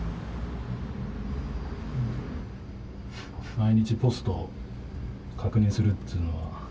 毎日ポストを確認するっつうのは。